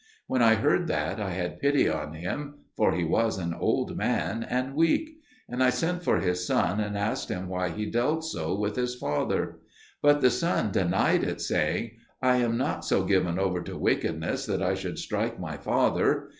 When I heard that, I had pity on him, for he was an old man, and weak; and I sent for his son, and asked him why he dealt so with his father. But the son denied it, saying, "I am not so given over to wickedness that I should strike my father.